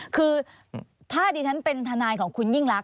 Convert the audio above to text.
คือถ้าดิฉันเป็นทนายของคุณยิ่งรัก